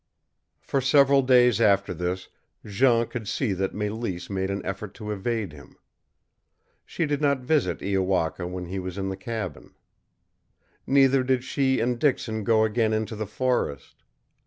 For several days after this Jean could see that Mélisse made an effort to evade him. She did not visit Iowaka when he was in the cabin. Neither did she and Dixon go again into the forest.